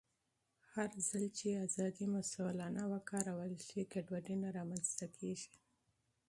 هرځل چې ازادي مسؤلانه وکارول شي، ګډوډي نه رامنځته کېږي.